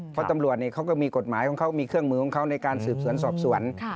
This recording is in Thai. เพราะตำรวจเขาก็มีกฎหมายของเขามีเครื่องมือของเขาในการสืบสวนสอบสวน